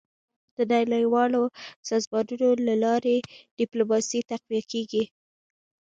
. د نړیوالو سازمانونو له لارې ډيپلوماسي تقویه کېږي.